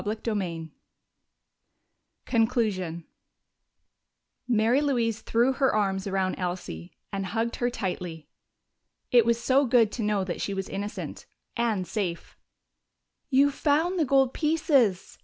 CHAPTER XIX Conclusion Mary Louise threw her arms around Elsie and hugged her tightly. It was so good to know that she was innocent and safe! "You've found the gold pieces!"